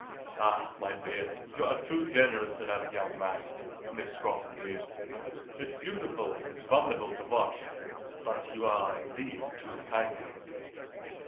"Ah, my dear, you are too generous to that young man," Miss Scrotton mused. "It's beautiful, it's wonderful to watch; but you are, indeed, too kind to him."